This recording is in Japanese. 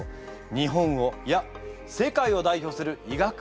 日本をいや世界を代表する医学博士です。